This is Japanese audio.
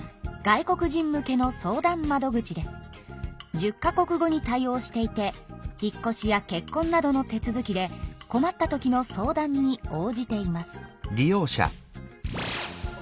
１０か国語に対応していてひっこしやけっこんなどの手続きでこまった時の相談に応じています。